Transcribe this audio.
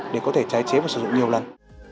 để có thể tái chế và sử dụng nhiều lần